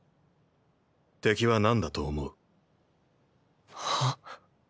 敵は何だと思う？は？